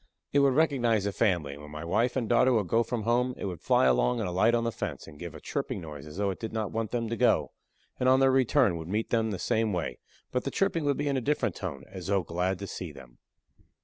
It would recognize the family, and when my wife and daughter would go from home, it would fly along and alight on the fence and give a chirping noise as though it did not want them to go, and on their return would meet them the same way, but the chirping would be in a different tone, as though glad to see them.